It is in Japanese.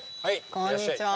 こんにちは。